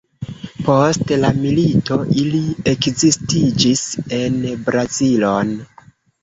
Post la milito, ili ekziliĝis en Brazilon.